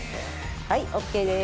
はいＯＫです。